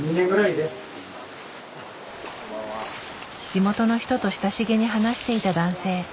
地元の人と親しげに話していた男性。